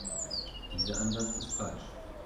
Dieser Ansatz ist falsch.